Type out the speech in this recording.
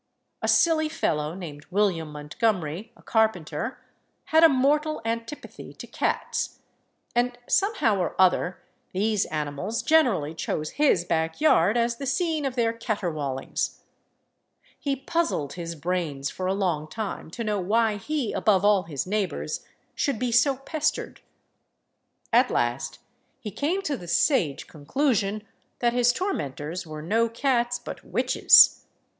A silly fellow, named William Montgomery, a carpenter, had a mortal antipathy to cats; and somehow or other these animals generally chose his back yard as the scene of their catterwaulings. He puzzled his brains for a long time to know why he, above all his neighbours, should be so pestered. At last he came to the sage conclusion that his tormentors were no cats, but witches.